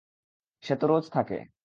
সে তো রোজ থাকে।